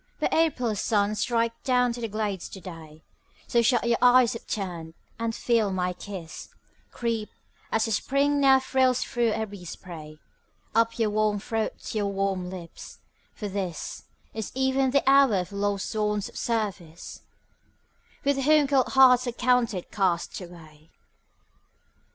But April's sun strikes down the glades to day; So shut your eyes upturned, and feel my kiss Creep, as the Spring now thrills through every spray, Up your warm throat to your warm lips: for this Is even the hour of Love's sworn suitservice, With whom cold hearts are counted castaway.